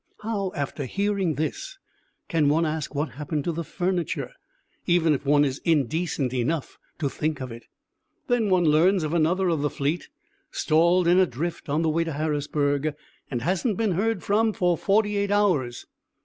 How, after hearing this, can one ask what happened to the furniture, even if one is indecent enough to think of it? Then one learns of another of the fleet, stalled in a drift on the way to Harrisburg, and hasn't been heard from for forty eight hours.